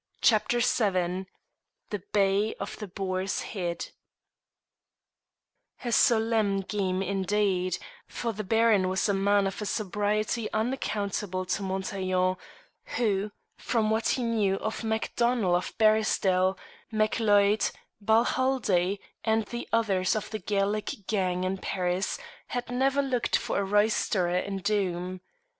CHAPTER VII THE BAY OF THE BOAR'S HEAD A solemn game indeed, for the Baron was a man of a sobriety unaccountable to Montaiglon, who, from what he knew of Macdonnel of Barisdel, Mac leod, Balhaldie, and the others of the Gaelic gang in Paris, had looked for a roysterer in Doom.